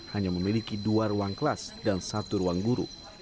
hanya memiliki dua ruang kelas dan satu ruang guru